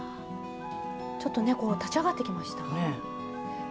ちょっとねこう立ち上がってきました。